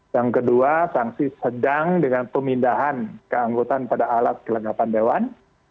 yang kedua sanksi sedang dengan pemindahan keanggotaan pada alat kelengkapan dewan